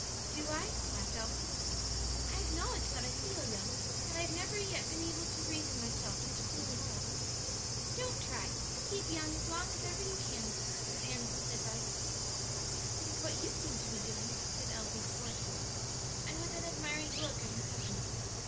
"Do I?" laughed Elsie. "I acknowledge that I feel young that I have never yet been able to reason myself into feeling old." "Don't try; keep young as long as ever you can," was Annis's advice. "It is what you seem to be doing," said Elsie, sportively, and with an admiring look at her cousin.